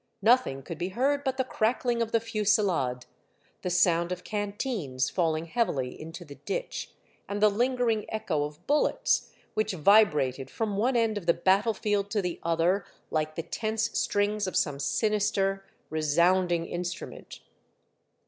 Nothing could be heard but the crackling of the fusillade, the sound of canteens falling heavily into the ditch, and the lingering echo of bullets, which vibrated from one end of the battlefield to the other, like the tense strings of some sinister, resounding instrument.